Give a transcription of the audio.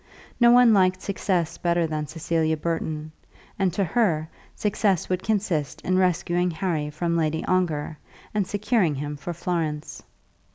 No one liked success better than Cecilia Burton, and to her success would consist in rescuing Harry from Lady Ongar and securing him for Florence.